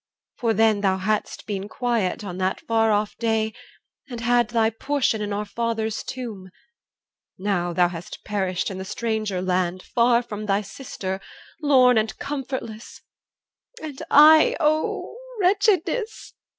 For then Thou hadst been quiet on that far off day, And had thy portion in our father's tomb Now thou hast perished in the stranger land Far from thy sister, lorn and comfortless And I, O wretchedness!